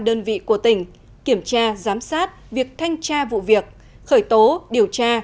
đơn vị của tỉnh kiểm tra giám sát việc thanh tra vụ việc khởi tố điều tra